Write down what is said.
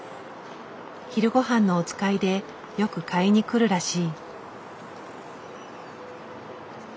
昼ごはんのお使いでよく買いに来るらしい。